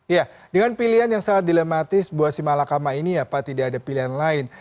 ya dengan pilihan yang sangat dilematis buah si malakama ini ya pak tidak ada pilihan lain